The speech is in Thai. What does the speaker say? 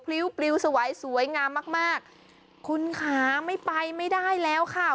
ลิ้วปลิวสวัยสวยงามมากมากคุณค่ะไม่ไปไม่ได้แล้วค่ะ